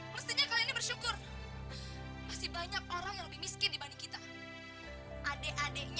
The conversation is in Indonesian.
mestinya kalian bersyukur masih banyak orang yang lebih miskin dibanding kita adek adeknya